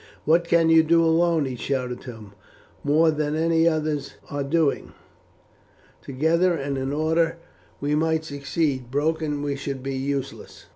"What can you do alone," he shouted to them, "more than the others are doing? Together and in order we might succeed, broken we should be useless.